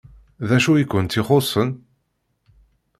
D acu i kent-ixuṣṣen?